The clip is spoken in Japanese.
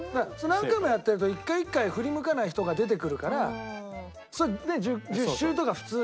何回もやってると一回一回振り向かない人が出てくるからそれで１０周とか普通にして。